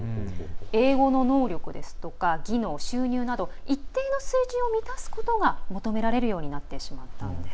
英語の能力ですとか技能収入など一定の水準を満たすことが求められてしまったんです。